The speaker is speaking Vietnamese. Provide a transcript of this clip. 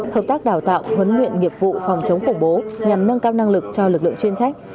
hợp tác đào tạo huấn luyện nghiệp vụ phòng chống khủng bố nhằm nâng cao năng lực cho lực lượng chuyên trách